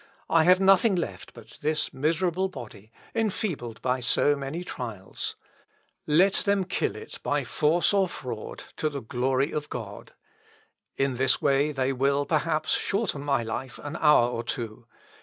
I have nothing left but this miserable body, enfeebled by so many trials; let them kill it by force or fraud, to the glory of God. In this way they will, perhaps, shorten my life an hour or two.